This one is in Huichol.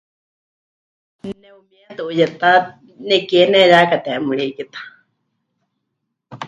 Ne'umietɨ huyetá nekie neheyaka Teemurí Kita.